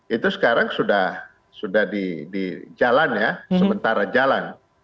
itu sekarang sudah di jalan ya sementara jalan